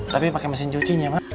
tapi pakai mesin cucinya pak